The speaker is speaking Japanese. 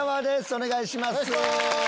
お願いします。